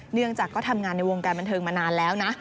เนื่องจากก็ทำงานในวงการบันเทิงมานานแล้วนะ